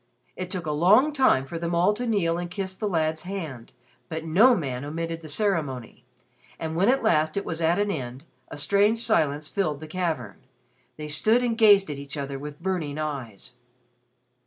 It took a long time for them all to kneel and kiss the lad's hand, but no man omitted the ceremony; and when at last it was at an end, a strange silence filled the cavern. They stood and gazed at each other with burning eyes.